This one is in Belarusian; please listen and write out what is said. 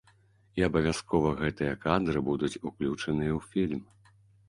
І абавязкова гэтыя кадры будуць уключаныя ў фільм.